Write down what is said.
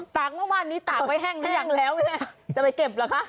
ตากเมื่อวานนี้ตากไว้แห้งหรือยังแล้วจะไปเก็บเหรอคะ